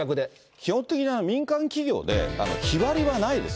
基本的には民間企業で、日割りはないです。